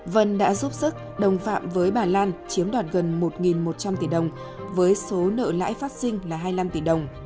vân đã giúp sức đồng phạm với bà lan chiếm đoạt gần một một trăm linh tỷ đồng với số nợ lãi phát sinh là hai mươi năm tỷ đồng